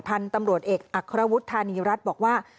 ภันฑ์ตำรวจออกประโยชน์อัคพรวสอยธานีรัฐบอกว่า